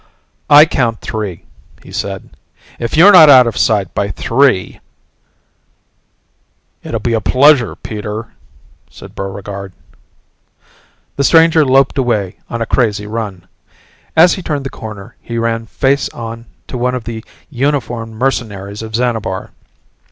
"I count three," he said. "If you're not out of sight by three " "It'll be a pleasure, Peter," said Buregarde. The stranger loped away on a crazy run. As he turned the corner he ran face on to one of the uniformed mercenaries of Xanabar.